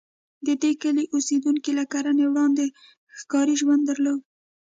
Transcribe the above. د دې کلي اوسېدونکي له کرنې وړاندې ښکاري ژوند درلود.